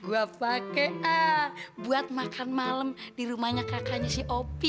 gua pake ah buat makan malem di rumahnya kakaknya si opi